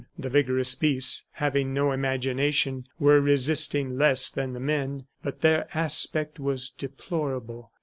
The vigorous beasts, having no imagination, were resisting less than the men, but their aspect was deplorable.